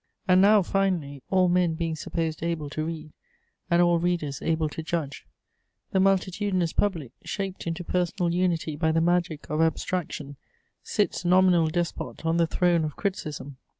And now, finally, all men being supposed able to read, and all readers able to judge, the multitudinous Public, shaped into personal unity by the magic of abstraction, sits nominal despot on the throne of criticism.